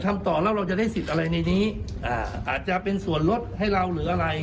ทำต่อแล้วเราจะได้สิทธิ์อะไรในนี้อาจจะเป็นส่วนลดให้เราหรืออะไร